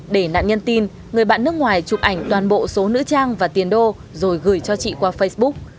để nạn nhân tin người bạn nước ngoài chụp ảnh toàn bộ số nữ trang và tiền đô rồi gửi cho chị qua facebook